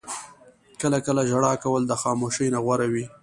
• کله کله ژړا کول د خاموشۍ نه غوره وي.